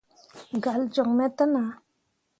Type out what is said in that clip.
Galle joŋ me te nah.